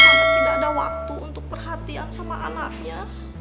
sampai tidak ada waktu untuk perhatian sama anaknya